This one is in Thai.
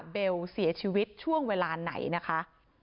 เบลเสียชีวิตช่วงเวลาไหนนะคะ